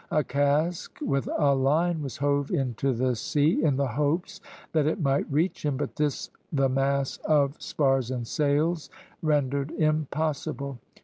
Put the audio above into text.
A cask with a line was hove into the sea, in the hopes that it might reach him, but this the mass of spars and sails rendered impossible.